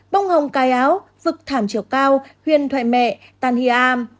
bông hồng cai áo vực thảm chiều cao huyền thoại mẹ tan hia am